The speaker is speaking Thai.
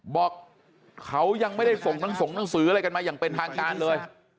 บอกเขายังไม่ได้ส่งทั้งส่งหนังสืออะไรกันมาอย่างเป็นทางการเลย